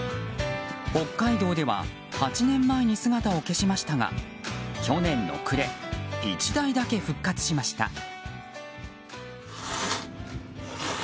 北海道では８年前に姿を消しましたが去年の暮れ１台だけ復活しました。